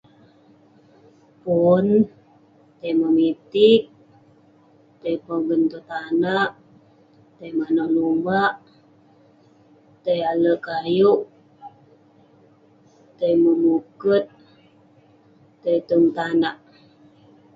pun.tai memitik, tai pogen tong tanak, tai manouk lumak, tai alek kayouk, tai memuket, tai tong tanak..